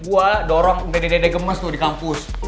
gue dorong dede dede gemes tuh di kampus